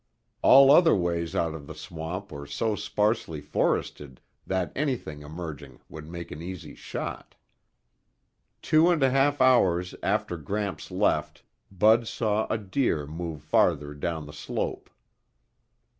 All other ways out of the swamp were so sparsely forested that anything emerging would make an easy shot. Two and a half hours after Gramps left, Bud saw a deer move farther down the slope.